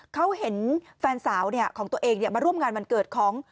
เขาเห็นแฟนสาวของตัวเองมาร่วมงานวันเกิดของ